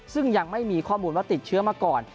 ซึ่งยังไม่มีข้อมูลว่าติดเชื้อมาก่อน